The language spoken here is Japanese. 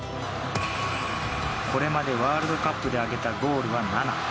これまでワールドカップで挙げたゴールは７。